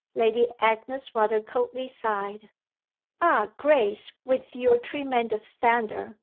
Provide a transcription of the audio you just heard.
Lady Agnes rather coldly sighed. "Ah Grace, with your tremendous standard!"